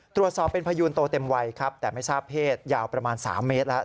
ตรวจสอบเป็นพยูนโตเต็มวัยครับแต่ไม่ทราบเพศยาวประมาณ๓เมตรแล้ว